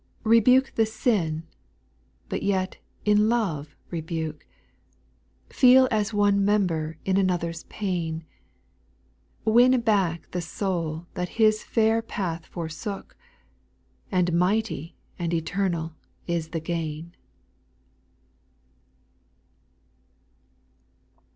SPIRITUAL SONGS. 03 4. Rebuke the sin, but yet in love rebuke, Feel as one member in another's pain ; Win back the soul that His fair path forsook, And mighty and eternal is the gain.